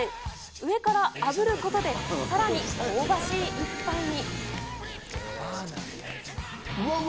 上からあぶることで、さらに香ばしい一杯に。